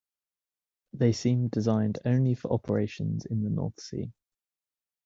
They seemed designed only for operations in the North Sea.